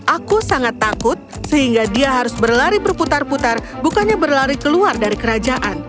aku sangat takut sehingga dia harus berlari berputar putar bukannya berlari keluar dari kerajaan